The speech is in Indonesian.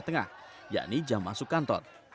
tengah yakni jam masuk kantor